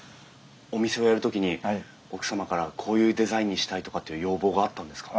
お店をやる時に奥様からこういうデザインにしたいとかっていう要望があったんですか？